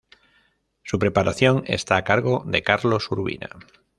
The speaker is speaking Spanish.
Su preparación está a cargo de Carlos Urbina.